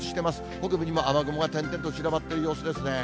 北部にも雨雲が点々と散らばっている様子ですね。